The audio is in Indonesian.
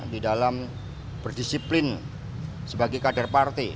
di dalam berdisiplin sebagai kader partai